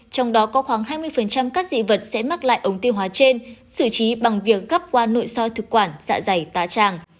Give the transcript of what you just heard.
trong đó có khoảng hai mươi các dị vật sẽ mắc lại ống tiêu hóa trên xử trí bằng việc gắp qua nội soi thực quản dạ dày tá tràng